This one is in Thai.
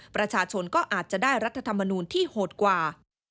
ประชาชนก็อาจจะได้รัฐธรรมนูลที่โหดกว่า